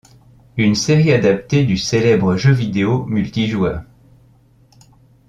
Une série adaptée du célèbre jeu-vidéo multi-joueurs.